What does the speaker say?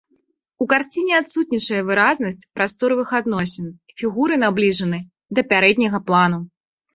У карціне адсутнічае выразнасць прасторавых адносін, фігуры набліжаны да пярэдняга плану.